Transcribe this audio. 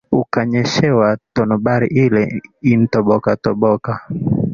ukanyeshewa, tonobari ile intobokatoboka"